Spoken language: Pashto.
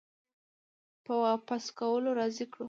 په واپس کولو راضي کړو